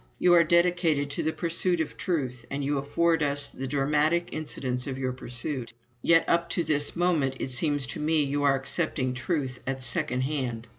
You are dedicated to the pursuit of Truth, and you afford us the dramatic incidents of your pursuit. Yet up to this moment it seems to me you are accepting Truth at second hand.